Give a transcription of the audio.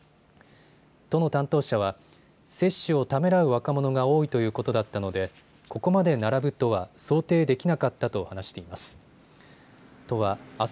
都の担当者は接種をためらう若者が多いということだったのでここまで並ぶとは想定できなかったと話しています。